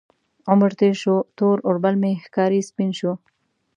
عمر تیر شو، تور اوربل مې ښکاري سپین شو